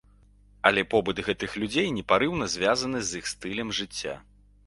Але побыт гэтых людзей непарыўна звязаны з іх стылем жыцця.